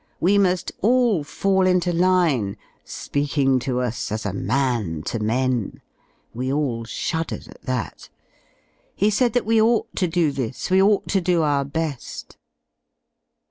JVe muR all fall into line, speakiftg to us as a man to men (we all shuddered at that}. He said that we ought to do this, we ought to do our beSi.